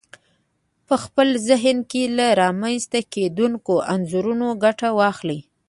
په خپل ذهن کې له رامنځته کېدونکو انځورونو ګټه واخلئ.